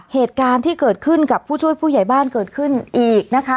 เหตุการณ์ที่เกิดขึ้นกับผู้ช่วยผู้ใหญ่บ้านเกิดขึ้นอีกนะคะ